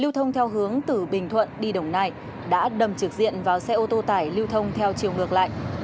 lưu thông theo hướng từ bình thuận đi đồng nai đã đầm trực diện vào xe ô tô tải lưu thông theo chiều ngược lại